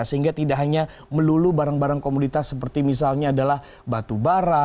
sehingga tidak hanya melulu barang barang komoditas seperti misalnya adalah batu bara